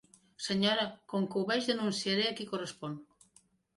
Senyora, com que ho veig, denunciaré a qui correspon.